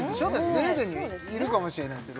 スウェーデンにはいるかもしれないですよ